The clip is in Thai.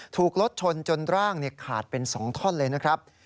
ถูกรถชนจนร่างขาดเป็น๒ท่อนเลยนะครับ